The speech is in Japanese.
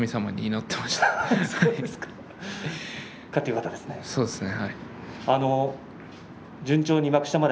勝ってよかったですね。